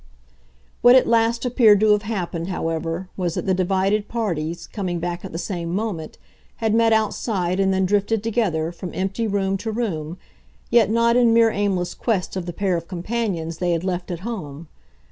What at last appeared to have happened, however, was that the divided parties, coming back at the same moment, had met outside and then drifted together, from empty room to room, yet not in mere aimless quest of the pair of companions they had left at home.